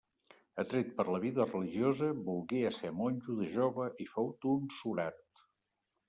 Atret per la vida religiosa, volgué ésser monjo de jove i fou tonsurat.